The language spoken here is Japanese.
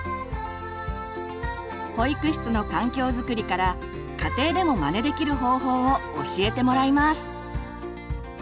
保育室の環境づくりから家庭でもまねできる方法を教えてもらいます。